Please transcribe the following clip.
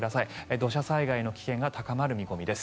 土砂災害の危険が高まる見込みです。